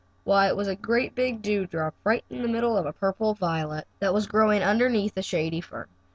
Why, it was a great big dewdrop, right in the middle of a purple violet, that was growing underneath a shady fern.